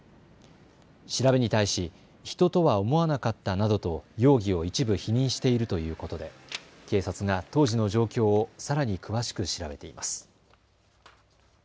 調べに対し人とは思わなかったなどと容疑を一部、否認しているということで警察が当時の状況をさらに詳しく調べています。